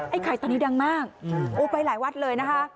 ไข่ตอนนี้ดังมากโอ้ไปหลายวัดเลยนะคะ